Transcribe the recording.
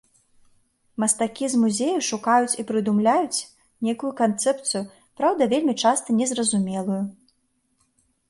Мастакі з музею шукаюць і прыдумляюць нейкую канцэпцыю, праўда, вельмі часта незразумелую.